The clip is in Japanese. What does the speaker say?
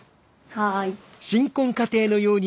はい。